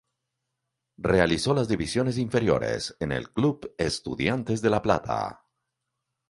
Realizó las divisiones inferiores en el Club Estudiantes de La Plata.